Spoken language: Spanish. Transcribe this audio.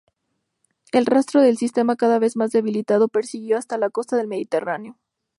El rastro del sistema, cada vez más debilitado, prosiguió hasta la costa del mediterráneo.